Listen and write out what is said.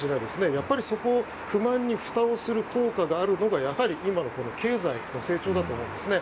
やっぱり不満にふたをする効果があるのが経済の成長だと思いますね。